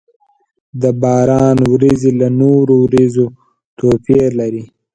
د باران ورېځې له نورو ورېځو توپير لري.